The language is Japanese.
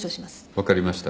分かりました。